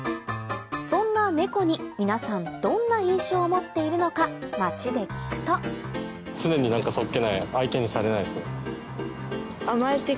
そんなネコに皆さんどんな印象を持っているのか街で聞くと相手にされないですね。